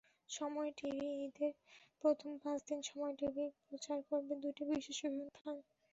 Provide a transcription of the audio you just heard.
সময় টিভিঈদের প্রথম পাঁচ দিন সময় টিভি প্রচার করবে দুটি বিশেষ অনুষ্ঠান।